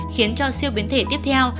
khiến cho siêu biến thể tiếp theo